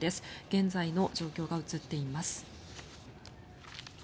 現在の状況が映っています。